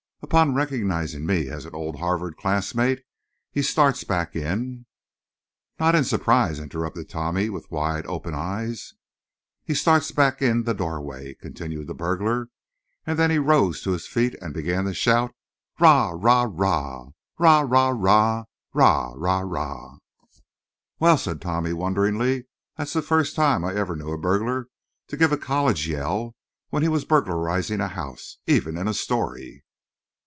Upon recognizing me as an old Harvard classmate he starts back in—" "Not in surprise?" interrupted Tommy, with wide, open eyes. "He starts back in the doorway," continued the burglar. And then he rose to his feet and began to shout "Rah, rah, rah! rah, rah, rah! rah, rah, rah!" "Well," said Tommy, wonderingly, "that's, the first time I ever knew a burglar to give a college yell when he was burglarizing a house, even in a story."